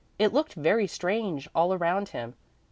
It looked very strange all around him.